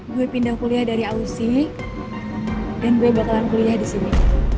gue pindah kuliah dari auc dan gue bakalan kuliah disini